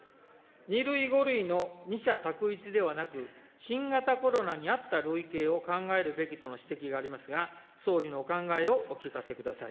２類、５類の二者択一ではなく、新型コロナに合った類型を考えるべきとの指摘がありますが、総理のお考えをお聞かせください。